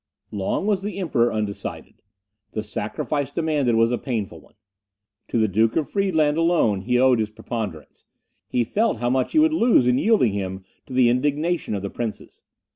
Long was the Emperor undecided. The sacrifice demanded was a painful one. To the Duke of Friedland alone he owed his preponderance; he felt how much he would lose in yielding him to the indignation of the princes.